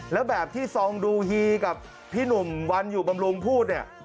แล้วแบบที่ซองดูฮีกับพี่หนุ่มวันอยู่บำรุงพูดเนี่ย